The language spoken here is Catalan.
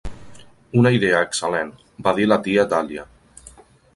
"Una idea excel·lent", va dir la tia Dahlia.